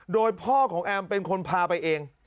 โดยพ่อของแอมเป็นคนพาไปเอง